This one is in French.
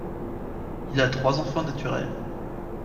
Il a trois enfants naturels.